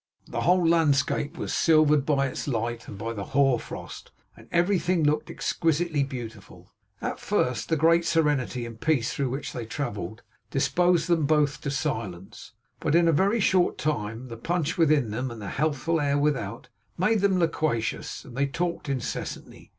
The whole landscape was silvered by its light and by the hoar frost; and everything looked exquisitely beautiful. At first, the great serenity and peace through which they travelled, disposed them both to silence; but in a very short time the punch within them and the healthful air without, made them loquacious, and they talked incessantly.